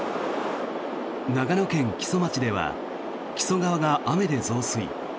長野県木曽町では木曽川が雨で増水。